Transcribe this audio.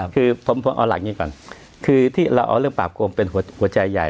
คือผมเอาหลักอย่างนี้ก่อนคือที่เราเอาเรื่องปราบโกงเป็นหัวใจใหญ่